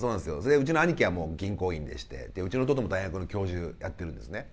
うちの兄貴はもう銀行員でしてうちの弟も大学の教授やってるんですね。